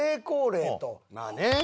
まあね。